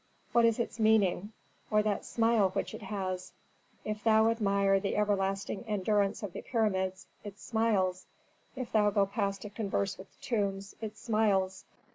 What is its meaning? Or that smile which it has If thou admire the everlasting endurance of the pyramids, it smiles; if thou go past to converse with the tombs, it smiles.